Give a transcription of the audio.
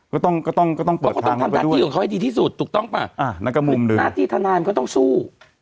เขาก็ต้องทำหน้าที่ของเขาให้ดีที่สุดถูกต้องป่ะหน้าที่ทนายมันก็ต้องสู้